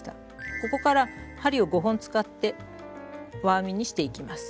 ここから針を５本使って輪編みにしていきます。